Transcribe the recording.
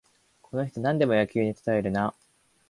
この人、なんでも野球にたとえるな